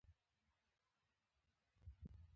د افغانستان جلکو د افغانستان د اقتصاد برخه ده.